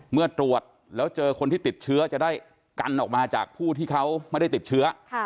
เมื่อตรวจแล้วเจอคนที่ติดเชื้อจะได้กันออกมาจากผู้ที่เขาไม่ได้ติดเชื้อ